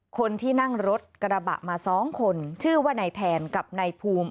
คนที่นั่งรถกระบะมา๒คนชื่อว่านายแทนกับนายภูมิ